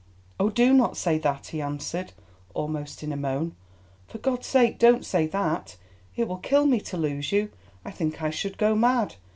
"Oh, do not say that," he answered, almost in a moan. "For God's sake don't say that! It will kill me to lose you. I think I should go mad.